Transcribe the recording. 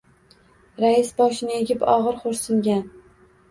Rais boshini egib, ogʻir xoʻrsingan.